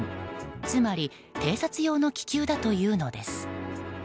つまり偵察用の気球だというのです。